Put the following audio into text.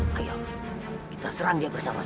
kalau tidak harap kau menyerah